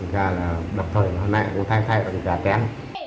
thật ra là đặc thời hôm nay cũng thay thay con gà kén